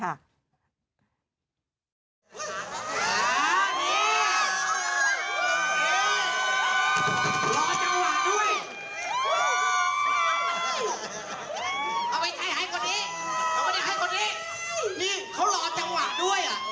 เอามานี่ให้คนนี้นี่เขาหล่อจังหวะด้วย